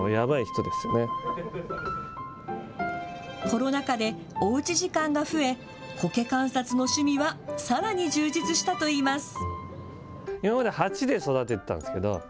コロナ禍で、おうち時間が増えコケ観察の趣味はさらに充実したといいます。